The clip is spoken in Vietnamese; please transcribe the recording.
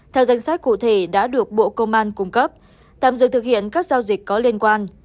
theo danh sách cụ thể đã được bộ công an cung cấp tạm dừng thực hiện các giao dịch có liên quan